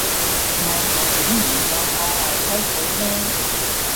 我又點能夠破壞規矩呢？